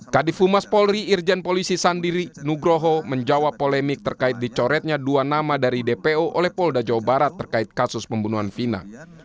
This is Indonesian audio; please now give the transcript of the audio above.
kadif humas polri irjen polisi sandi nugroho menjawab polemik terkait dicoretnya dua nama dari dpo oleh polda jawa barat terkait kasus pembunuhan vina